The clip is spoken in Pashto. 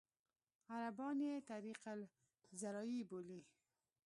عربان یې طریق الزراعي بولي.